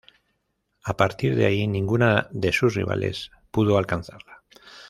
A partir de ahí ninguna de sus rivales pudo alcanzarla.